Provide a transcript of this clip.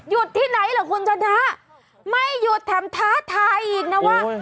ที่ไหนล่ะคุณชนะไม่หยุดแถมท้าทายอีกนะว่า